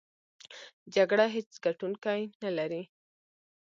جګړه هېڅ ګټوونکی نلري!